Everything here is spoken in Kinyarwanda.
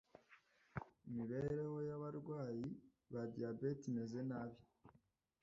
imibereho y'abarwayi ba Diabete imeze nabi